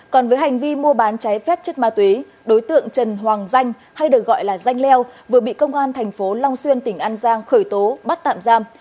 còn với hành vi mua bán trái phép chất ma túy đối tượng trần hoàng danh hay được gọi là danh leo vừa bị công an thành phố long xuyên tỉnh an giang khởi tố bắt tạm giam